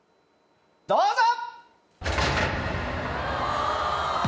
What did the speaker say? どうぞ！